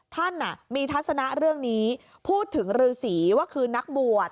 ท่านมีทัศนะเรื่องนี้พูดถึงฤษีว่าคือนักบวช